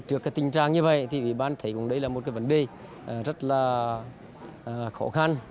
trước tình trạng như vậy thì ủy ban thấy cũng đây là một vấn đề rất là khó khăn